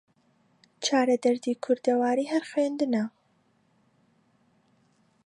چارە دەردی کوردەواری هەر خوێندنە